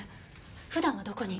普段はどこに？